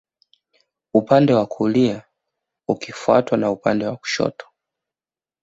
Upande wa kulia ukifuatwa na upande wa kushoto